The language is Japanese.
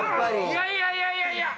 いやいやいやいや！